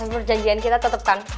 perjanjian kita tetep kan